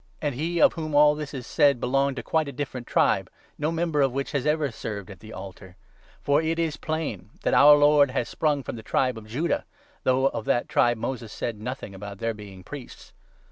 And he of whom all this is said belonged to quite a 13 different tribe, no member of which has ever served at the altar. For it is plain that our Lord has sprung from the tribe of 14 Judah, though of that tribe Moses said nothing about their being priests.